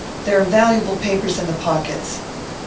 There are valuable papers in the pockets.